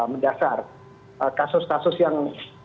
mendasar kasus kasus yang